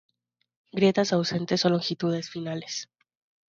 Grietas ausentes o longitudinales finas.